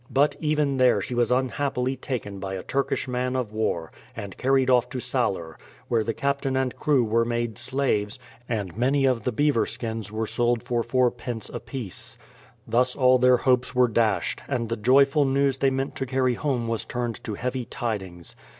But even there she was unhap pily taken by a Turkish man of war, and carried off to Sailer, where the captain and crew were made slaves, and many of the beaver skins were sold for 46.. a piece. Thus all their hopes were dashed, and the joyful news they meant to carry home was turned to heavy tidings.